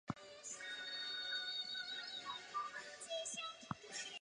接着巴区号留在大西洋及加勒比海执勤。